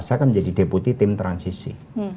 saya akan menjadi deputi tim transisi